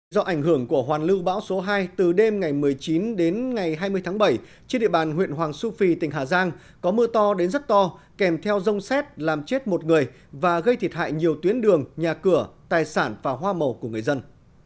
do ảnh hưởng của hoàn lưu bão số hai từ đêm ngày một mươi chín đến ngày hai mươi tháng bảy trên địa bàn huyện hoàng su phi tỉnh hà giang có mưa to đến rất to kèm theo rông xét làm chết một người và gây thiệt hại nhiều tuyến đường nhà cửa tài sản và hoa màu của người dân